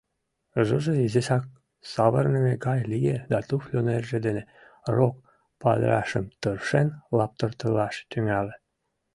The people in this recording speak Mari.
Жужи изишак савырныме гай лие да туфльо нерже дене рок падырашым тыршен лаптыртылаш тӱҥале.